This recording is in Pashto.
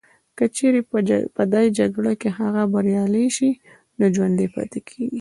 که چیري په دا جګړه کي هغه بریالي سي نو ژوندي پاتیږي